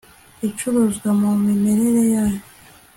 icuruzwa mu mimerere yayo